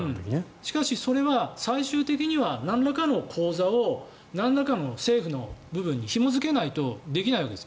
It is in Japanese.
しかしそれは最終的にはなんらかの口座をなんらかの政府の部分にひも付けないとできないわけです